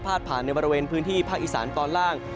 ผ่านในบริเวณพื้นที่ภาคอีสานตอนล่าง